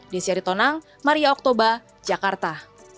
di syaritonang maria okthoba jakarta